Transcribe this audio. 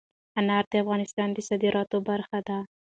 انار د افغانستان د صادراتو برخه ده.